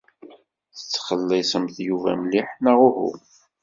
Tettxelliṣemt Yuba mliḥ, neɣ uhu?